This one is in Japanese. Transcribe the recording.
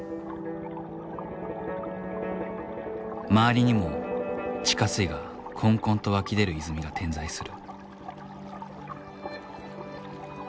周りにも地下水がこんこんと湧き出る泉が点在する。